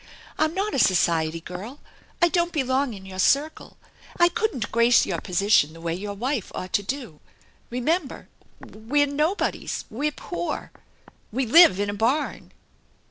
I'm not a society girl. I don't belong in your circle. I couldn't grace your position the way your wife ought to do. Eemember, we're nobodies. We're poor ! We live in a barn!